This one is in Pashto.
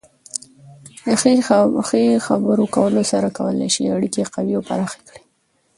د ښې خبرې کولو سره کولی شئ اړیکه قوي او پراخه کړئ.